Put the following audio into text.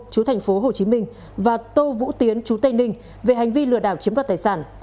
chú thành phố hồ chí minh và tô vũ tiến chú tây ninh về hành vi lừa đảo chiếm đoạt tài sản